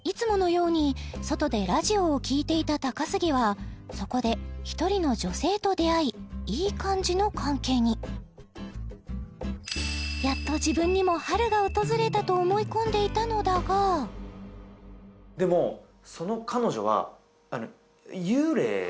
ように外でラジオを聴いていた高杉はそこで１人の女性と出会いいい感じの関係にやっと自分にも春が訪れたと思い込んでいたのだがでもえっ？